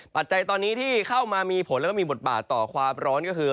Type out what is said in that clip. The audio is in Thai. ปัจจัยตอนนี้ที่เข้ามามีผลแล้วก็มีบทบาทต่อความร้อนก็คือ